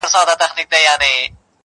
د نورو هغې نيمه، د انا دا يوه نيمه.